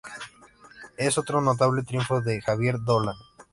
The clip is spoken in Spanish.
Es otro notable triunfo de Xavier Dolan"".